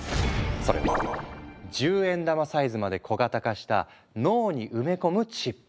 それは１０円玉サイズまで小型化した脳に埋め込むチップ。